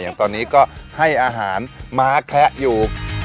อย่างตอนนี้ก็ให้อาหารม้าแคะอยู่